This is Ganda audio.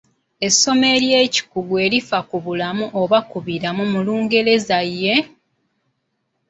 Essomo ery’ekikugu erifa ku bulamu oba ku biramu mu Lungereza ye?